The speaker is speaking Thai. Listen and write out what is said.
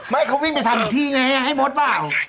ไม่เขาวิ่งไปทำอีกที่ไงให้มดเปล่า